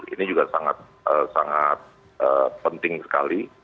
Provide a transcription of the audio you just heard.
ini juga sangat penting sekali